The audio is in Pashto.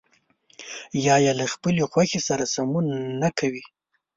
یا يې له خپلې خوښې سره سمون نه کوي.